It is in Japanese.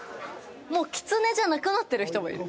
もうキツネじゃなくなってる人もいる。